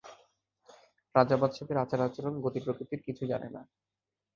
রাজা-বাদশাহদের আচার-আচরণ, গতি-প্রকৃতির কিছু জানে না।